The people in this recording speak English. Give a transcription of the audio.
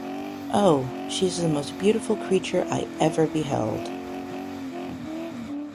Oh, she is the most beautiful creature I ever beheld!